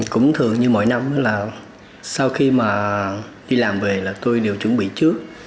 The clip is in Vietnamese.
cũng thường như mỗi năm là sau khi mà đi làm về là tôi đều chuẩn bị trước